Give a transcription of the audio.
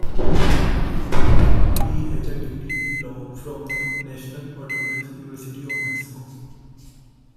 He has a degree in law from the National Autonomous University of Mexico.